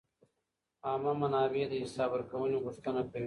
عامه منابع د حساب ورکونې غوښتنه کوي.